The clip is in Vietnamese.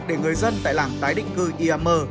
để người dân tại lãng tái định cư iam